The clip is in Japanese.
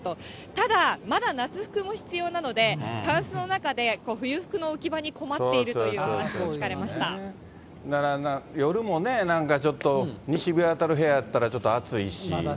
ただ、まだ夏服も必要なので、タンスの中で冬服の置き場に困っているというような話も聞かれま夜もね、なんかちょっと、西日当たる部屋やったら、ちょっと暑いし。